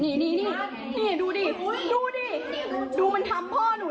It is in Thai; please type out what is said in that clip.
นี่ดูดิมันทำพ่อหนูดิ